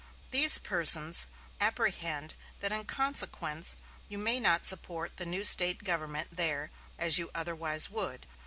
These persons apprehend that in consequence you may not support the new State government there as you otherwise would.